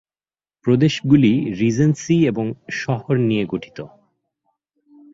প্রদেশগুলি regency এবং শহর নিয়ে গঠিত।